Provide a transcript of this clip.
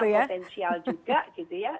tapi yang potensial juga gitu ya